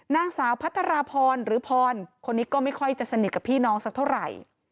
นางสาวพัทรพรหรือพรคนนี้ก็ไม่ค่อยจะสนิทกับพี่น้องสักเท่าไหร่